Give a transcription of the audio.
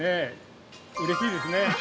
◆うれしいですね。